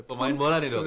pemain bola nih dok ya